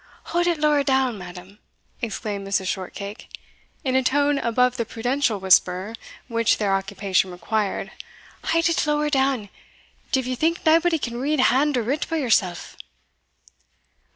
"Haud it lower down, madam," exclaimed Mrs. Shortcake, in a tone above the prudential whisper which their occupation required "haud it lower down Div ye think naebody can read hand o' writ but yoursell?"